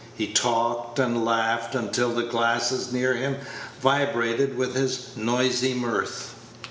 He talked and laughed until the glasses near him vibrated with his noisy mirth.